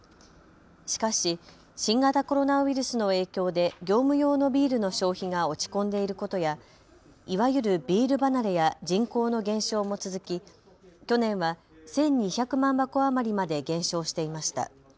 しかし新型コロナウイルスの影響で業務用のビールの消費が落ち込んでいることやいわゆるビール離れや人口の減少も続き去年は１２００万箱余りまで減少していました。